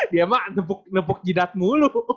dia mah nepuk jidat mulu